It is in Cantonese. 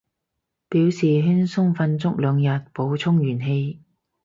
表示輕鬆瞓足兩日，補充元氣